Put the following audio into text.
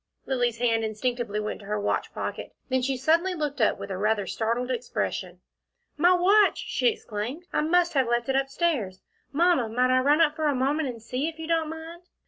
Lilly's hand instinctively went to her watch pocket then she suddenly looked up with a rather startled expression. "My watch!" she exclaimed. "I must have left it up stairs. Mamma might I run up for a moment and see, if you don't mind?"